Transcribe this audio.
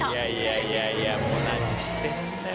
いやいやいやいやもう何してんだよ？